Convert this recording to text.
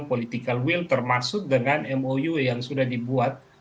political will termasuk dengan mou yang sudah dibuat